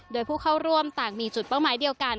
โดยผู้เข้าร่วมต่างมีจุดเป้าหมายเดียวกัน